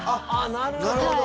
なるほど。